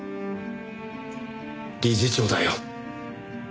理事長だよ。